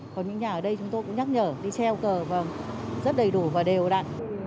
còn những nhà ở đây chúng tôi cũng nhắc nhở đi xeo cờ và rất đầy đủ và đều ở đặn